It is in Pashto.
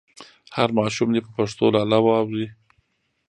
هر ماشوم دې په پښتو لالا واوري.